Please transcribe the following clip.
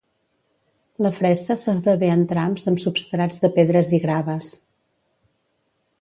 La fressa s'esdevé en trams amb substrats de pedres i graves.